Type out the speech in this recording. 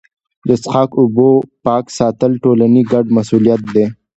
د څښاک اوبو پاک ساتل د ټولني ګډ مسوولیت دی.